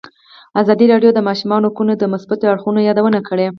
ازادي راډیو د د ماشومانو حقونه د مثبتو اړخونو یادونه کړې.